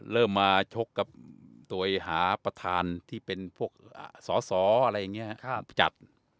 เริ่มมาชกกับตัวเองหาประธานที่เป็นพวกสอสออะไรอย่างนี้จัด